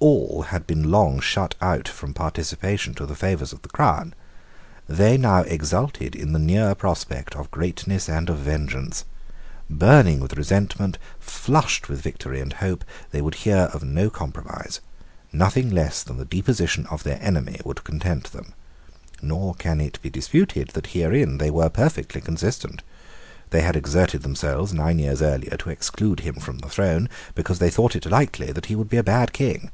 All had been long shut out from participation to the favours of the crown. They now exulted in the near prospect of greatness and of vengeance. Burning with resentment, flushed with victory and hope, they would hear of no compromise. Nothing less than the deposition of their enemy would content them: nor can it be disputed that herein they were perfectly consistent. They had exerted themselves, nine years earlier, to exclude him from the throne, because they thought it likely that he would be a bad King.